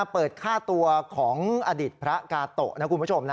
เปิดค่าตัวของอดีตพระกาโตะนะคุณผู้ชม